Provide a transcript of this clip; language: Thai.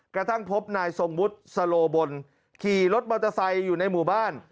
กระทั่งพบนายทรงวุฒิสโลบนขี่รถมอเตอร์ไซค์อยู่ในหมู่บ้าน